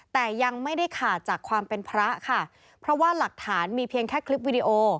แต่ยังไม่ได้ขาดจากความเป็นพระค่ะเพราะว่าหลักฐานมีเพียงแค่คลิปวิดีโอ